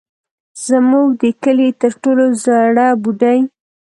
زموږ د کلي تر ټولو زړه بوډۍ.